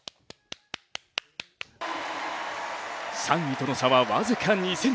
３位との差は僅か２ｃｍ。